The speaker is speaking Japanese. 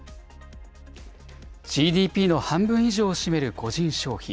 ＧＤＰの半分以上を占める個人消費。